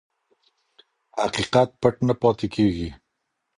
حقیقت پټ نه پاتې کېږي.